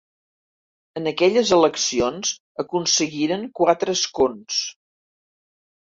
En aquelles eleccions aconseguiren quatre escons.